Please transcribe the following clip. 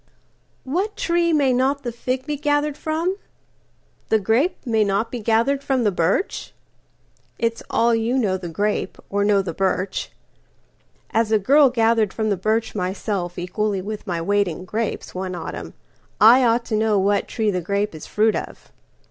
WHAT tree may not the fig be gathered from? The grape may not be gathered from the birch? It's all you know the grape, or know the birch. As a girl gathered from the birch myselfEqually with my weight in grapes, one autumn,I ought to know what tree the grape is fruit of.